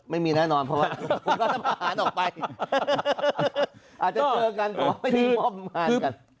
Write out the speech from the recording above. ไม่มีแน่นอนเพราะว่าอาจจะเจอกันขอให้พี่มอบมหาญกัน